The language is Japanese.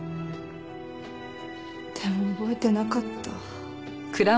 でも覚えてなかった。